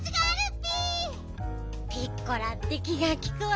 ピッコラって気がきくわね。